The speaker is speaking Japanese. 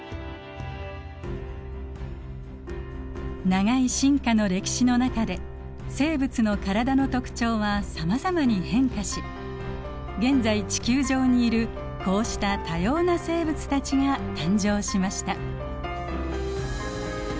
長い進化の歴史の中で生物の体の特徴はさまざまに変化し現在地球上にいるこうした多様な生物たちが誕生しました。